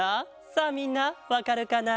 さあみんなわかるかな？